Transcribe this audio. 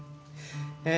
え